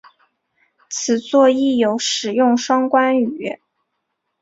此作亦有使用双关语。